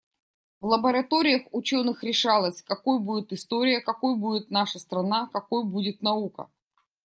В лабораториях ученых решалось, какой будет история, какой будет наша страна, какой будет наука.